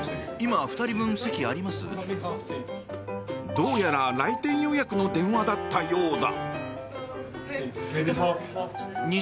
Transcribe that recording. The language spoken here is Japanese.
どうやら来店予約の電話だったようだ。